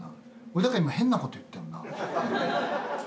俺何か今変なこと言ったよな。